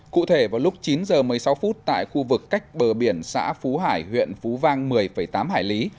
cụ thể vào lúc chín h một mươi sáu phút tại khu vực cách bờ biển xã phú hải huyện phú vang một mươi tám hải lý